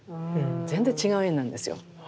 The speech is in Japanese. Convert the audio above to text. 全然違う絵になるんですよ。